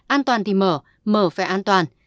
an toàn thì mở mở phải an toàn